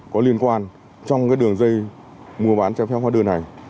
có liên quan trong đường dây mua bán cho phép hóa đơn này